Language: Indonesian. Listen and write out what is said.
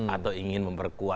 atau ingin memperkuat